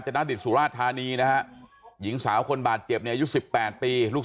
ณดิตสุราชธานีนะฮะหญิงสาวคนบาดเจ็บเนี่ยอายุ๑๘ปีลูก